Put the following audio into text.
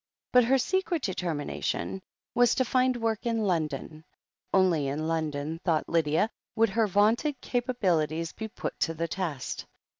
But her secret determination was to find work in London. Only in London, thought Lydia, would her vaunted capabilities be put to the test.